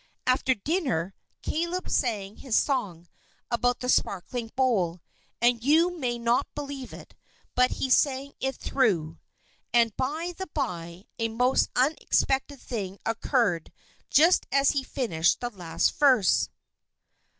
After dinner, Caleb sang his song about the sparkling bowl; and, you may not believe it, but he sang it through. And, by the bye, a most unexpected thing occurred just as he finished the last verse.